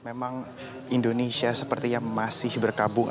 memang indonesia seperti yang masih berkabung